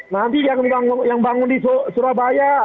nanti yang bangun di surabaya